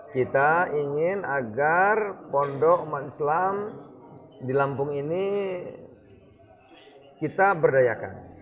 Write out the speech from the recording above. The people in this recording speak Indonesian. kita ingin agar pondok umat islam di lampung ini kita berdayakan